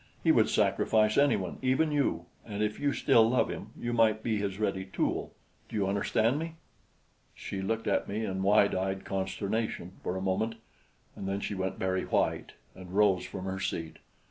He would sacrifice anyone, even you; and if you still love him, you might be his ready tool. Do you understand me?" She looked at me in wide eyed consternation for a moment, and then she went very white and rose from her seat.